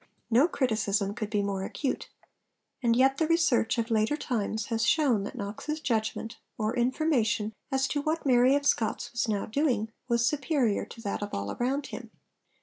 No criticism could be more acute. And yet the research of later times has shown that Knox's judgment, or information, as to what Mary of Scots was now doing, was superior to that of all around him.